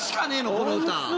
この歌。